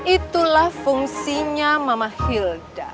itulah fungsinya mama hilda